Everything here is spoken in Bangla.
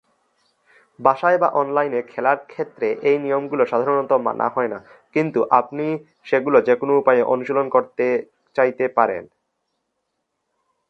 বাসায় বা অনলাইনে খেলার ক্ষেত্রে এই নিয়মগুলো সাধারণত মানা হয়না, কিন্তু আপনি সেগুলো যেকোনো উপায়ে অনুশীলন করতে চাইতে পারেন।